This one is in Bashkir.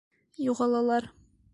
Юғалалар.